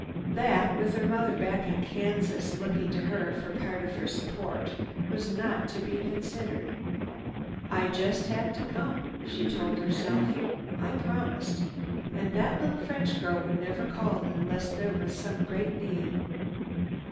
That, with her mother back in Kansas looking to her for part of her support, was not to be considered. "I just had to come!" she told herself. "I promised. And that little French girl would never call unless there was some great need."